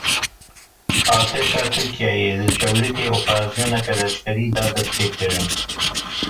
Artêşa Tirkiyeyê li Çewligê operasyoneke leşkerî da destpêkirin.